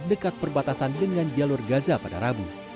dekat perbatasan dengan jalur gaza pada rabu